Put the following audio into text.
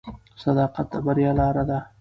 صداقت د بریا لاره ده.